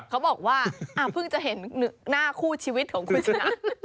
เขาบอกว่าเพิ่งจะเห็นหน้าคู่ชีวิตของคุณชนะ